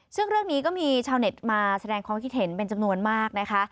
ซึ่งเรื่องนี้ก็มีชาวเน็ตมาแสดงความคิดเห็นเป็นจำนวนมากนะคะ